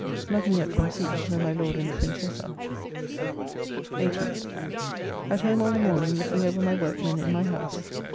Nothing yet from sea, where my Lord and the Princess are. 18th. At home all the morning looking over my workmen in my house.